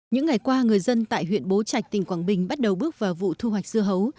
những ngày qua người dân tại huyện bố trạch tỉnh quảng bình bắt đầu bước vào vụ thu hoạch dưa hấu